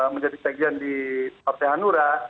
menjadi sekjen di partai hanura